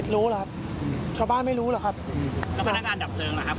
ถ้าพูดกันตรงเลยเช้าบ้านไม่รู้ถ้าไม่รู้ล่ะครับ